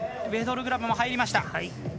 ウェドルグラブも入りました。